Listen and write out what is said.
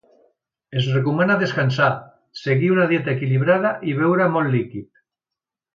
Es recomana descansar, seguir una dieta equilibrada i beure molt líquid.